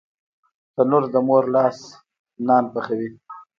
تنور د مور لاس نان پخوي